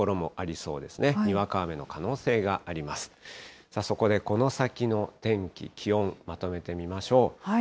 そこでこの先の天気、気温、まとめてみましょう。